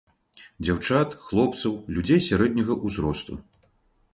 Дзяўчат, хлопцаў, людзей сярэдняга ўзросту.